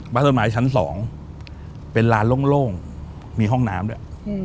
บ้านต้นไม้ชั้น๒เป็นลานโล่งมีห้องน้ำด้วย